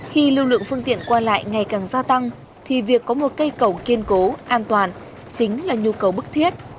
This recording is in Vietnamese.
khi lưu lượng phương tiện qua lại ngày càng gia tăng thì việc có một cây cầu kiên cố an toàn chính là nhu cầu bức thiết